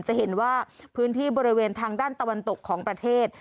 จะเห็นว่าพื้นที่บริเวณทางด้านตะวันตกของประเทศ